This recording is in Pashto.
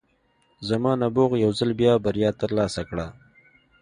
زما نبوغ یو ځل بیا بریا ترلاسه کړه